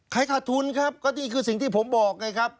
ขาดทุนครับก็นี่คือสิ่งที่ผมบอกไงครับ